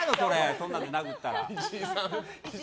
そんなんで殴ったら。